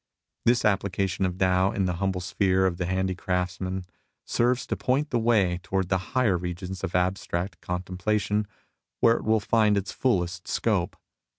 This application of Tao in the humble sphere of the handicrafts man serves to point the way towards the higher regions of abstract contemplation, where it will find its fullest scope.